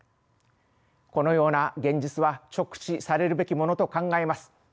このような現実は直視されるべきものと考えます。